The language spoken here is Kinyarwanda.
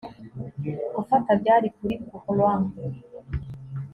Gufata byari kuri purloin